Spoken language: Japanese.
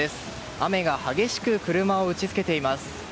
雨が激しく車を打ち付けています。